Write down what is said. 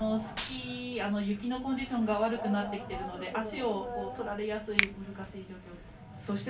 雪のコンディションが悪くなってきているので足をとられやすい難しい状況です。